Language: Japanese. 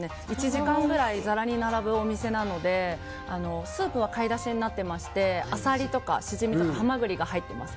１時間ぐらいざらに並ぶお店なのでスープは貝だしになっていましてアサリとかシジミとかハマグリが入ってます。